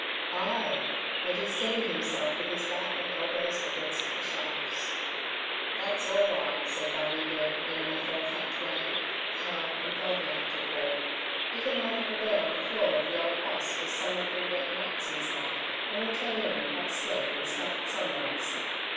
"Ay!" and he steadied himself with his back and elbows against the shafts. "That's all right," said Barney Bill, in a matter of fact way, calm and godlike to Paul. "You can make up a bed on the floor of the old 'bus with some of them there mats inside and we'll turn in and have a sleep, and start at sunrise."